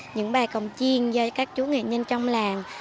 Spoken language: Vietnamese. những bài cồng chiêng với các chú nghệ nhân trong làng